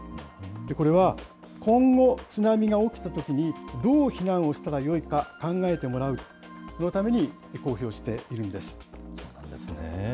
これは今後、津波が起きたときにどう避難をしたらよいか考えてもらう、そのために公表しているんです。